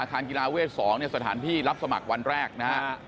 คารกีฬาเวท๒สถานที่รับสมัครวันแรกนะฮะ